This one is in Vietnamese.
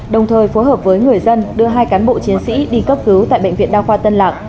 đồng thời phối hợp với người dân đưa hai cán bộ chiến sĩ đi cấp cứu tại bệnh viện đa khoa tân lạc